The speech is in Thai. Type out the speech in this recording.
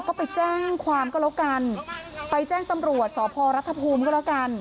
ก็ไปแจ้งความก็แล้วกันไปแจ้งตำรวจสพรัฐภูมิก็แล้วกัน